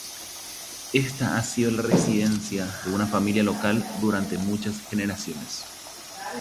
Esta ha sido la residencia de una familia local durante muchas generaciones.